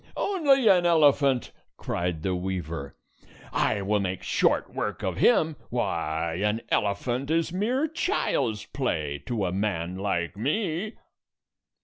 "Only an elephant!" cried the weaver. "I will make short work of him. Why, an elephant is mere child's play to a man like me!"